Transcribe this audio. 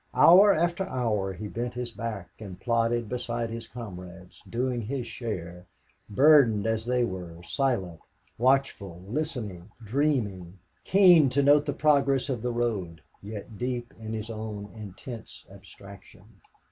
Hour after hour he bent his back and plodded beside his comrades, doing his share, burdened as they were, silent, watchful, listening, dreaming, keen to note the progress of the road, yet deep in his own intense abstraction.